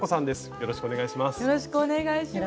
よろしくお願いします。